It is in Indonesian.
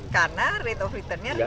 karena rate of returnnya rendah